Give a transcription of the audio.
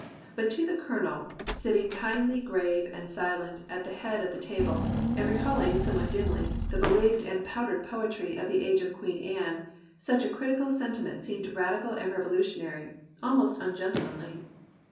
But to the Colonel, sitting kindly grave and silent at the head of the table, and recalling (somewhat dimly) the bew^gged and powdered poetry of the age of Queen Anne, such a critical sentiment seemed radical and revo lutionary, almost ungentlemanly.